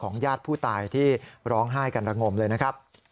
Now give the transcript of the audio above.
ญาติผู้ตายที่ร้องไห้กันระงมเลยนะครับ